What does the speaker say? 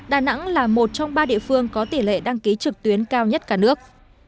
đà nẵng là một trong ba địa phương có tỷ lệ đăng ký trực tuyến cao nhất cả nước